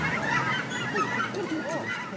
「ここからどう切るんですか？」